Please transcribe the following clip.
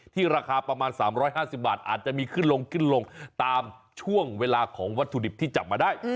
ราคาประมาณ๓๕๐บาทอาจจะมีขึ้นลงขึ้นลงตามช่วงเวลาของวัตถุดิบที่จับมาได้